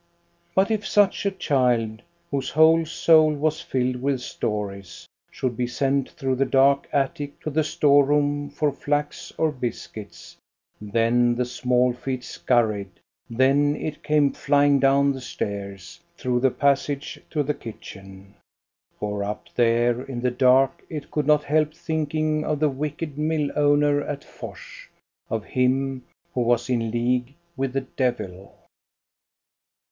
But if such a child, whose whole soul was filled with stories, should be sent through the dark attic to the store room for flax or biscuits, then the small feet scurried; then it came flying down the stairs, 200 THE STORY OF GOSTA BE RUNG. through the passage to the kitchen. For up there in the dark it could not help thinking of the wicked mill owner at Fors, — of him who was in league with the devil.